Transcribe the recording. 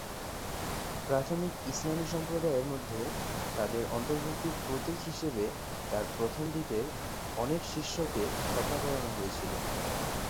প্রাথমিক ইসলামী সম্প্রদায়ের মধ্যে তাদের অন্তর্ভুক্তির প্রতীক হিসাবে তাঁর প্রথম দিকের অনেক শিষ্যকে খৎনা করানো হয়েছিল।